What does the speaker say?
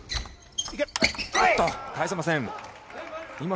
あっと、返せません。